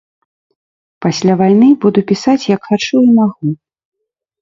Пасля вайны буду пісаць, як хачу і магу.